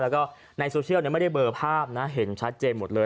แล้วก็ในโซเชียลไม่ได้เบอร์ภาพนะเห็นชัดเจนหมดเลย